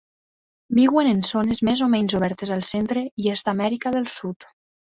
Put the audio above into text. Viuen en zones més o menys obertes al centre i est d'Amèrica del Sud.